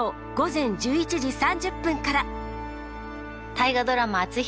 大河ドラマ「篤姫」。